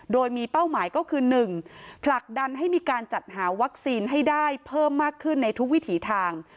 โดยมีเป้าหมายก็คือ๑ผลักดันให้มีการจัดหาวัคซีนให้ได้เพิ่มมากขึ้นในทุกวิถีทาง